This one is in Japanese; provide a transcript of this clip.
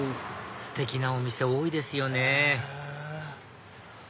ステキなお店多いですよね